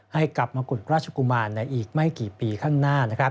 ให้กับมกุฎราชกุมารในอีกไม่กี่ปีข้างหน้า